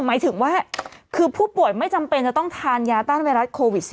หมายถึงว่าคือผู้ป่วยไม่จำเป็นจะต้องทานยาต้านไวรัสโควิด๑๙